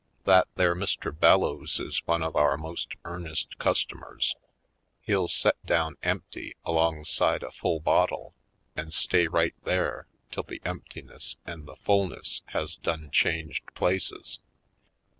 That there Mr. Bellows is one of our most earnest customers. He'll set down empty alongside a full bottle and stay right there till the emptiness and the fullness has done changed places.